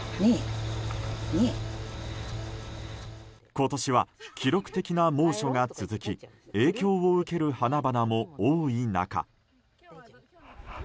今年は記録的な猛暑が続き影響を受ける花々も多い中。